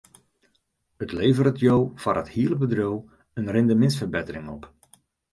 It leveret jo foar it hiele bedriuw in rindemintsferbettering op.